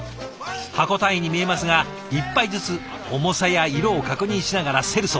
箱単位に見えますが１杯ずつ重さや色を確認しながら競るそうです。